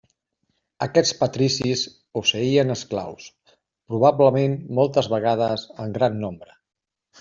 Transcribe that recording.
Aquests patricis posseïen esclaus, probablement moltes vegades en gran nombre.